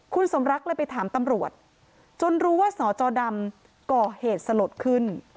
คุณสมรักเลยไปถามตำรวจจนรู้ว่าสจดำก่อเหตุสลดขึ้น